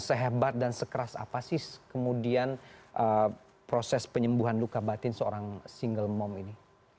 sehebat dan sekeras apa sih kemudian proses penyembuhan luka batin seorang single mom ini